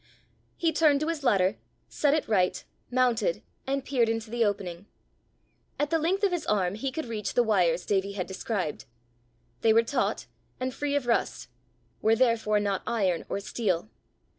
He turned to his ladder, set it right, mounted, and peered into the opening. At the length of his arm he could reach the wires Davie had described: they were taut, and free of rust were therefore not iron or steel.